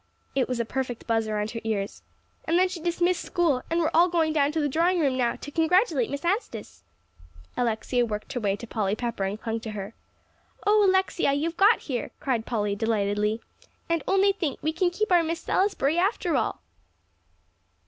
it was a perfect buzz around her ears. "And then she dismissed school; and we're all going down to the drawing room now, to congratulate Miss Anstice." Alexia worked her way to Polly Pepper and clung to her. "Oh, Alexia, you've got here!" cried Polly delightedly. "And only think, we can keep our Miss Salisbury after all."